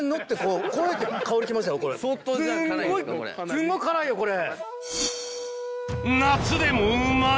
すんごい辛いよこれ！